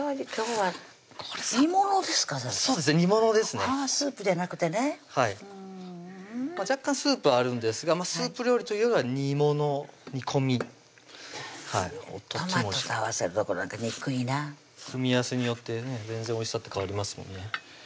はぁスープじゃなくてね若干スープはあるんですがスープ料理というよりは煮物・煮込みはいトマトと合わせるとこなんて憎いな組み合わせによってね全然おいしさって変わりますもんね